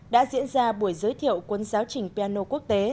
đã diễn ra buổi giới thiệu cuốn giáo trình piano quốc tế